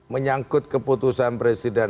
menyangkut keputusan presiden